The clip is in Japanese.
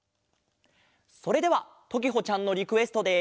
それではときほちゃんのリクエストで。